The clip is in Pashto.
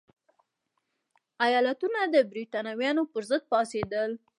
ایالتونه د برېټانویانو پرضد پاڅېدل.